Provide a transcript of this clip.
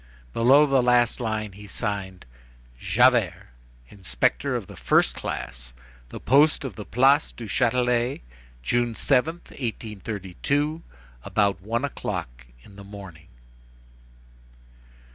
Below the last line he signed: "JAVERT, "Inspector of the 1st class. "The Post of the Place du Châtelet. "June 7th, 1832, about one o'clock in the morning."